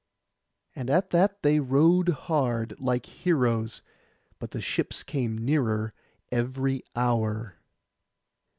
And at that they rowed hard, like heroes; but the ships came nearer every hour.